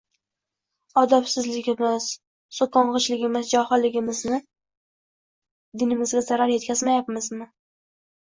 odobsizligimiz, so‘kong‘ichligimiz, johilligimiz bilan dinimizga zarar yetkazmayapmizmi?